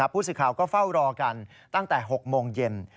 ผู้สื่อข่าวก็เฝ้ารอกันตั้งแต่๖โมงเย็น